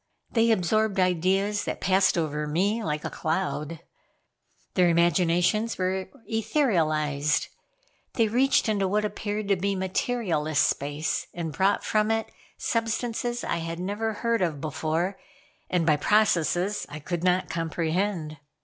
They absorbed ideas that passed over me like a cloud. Their imaginations were etherealized. They reached into what appeared to be materialless space, and brought from it substances I had never heard of before, and by processes I could not comprehend.